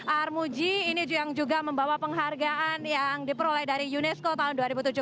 armuji ini yang juga membawa penghargaan yang diperoleh dari unesco tahun dua ribu tujuh belas